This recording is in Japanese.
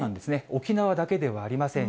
沖縄だけではありません。